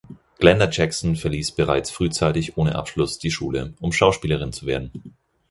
Glenda Jackson verließ bereits frühzeitig ohne Abschluss die Schule, um Schauspielerin zu werden.